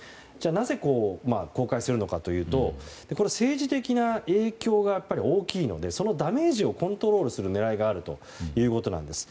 なぜ、公開するのかというと政治的な影響が大きいのでダメージをコントロールする狙いがあるということなんです。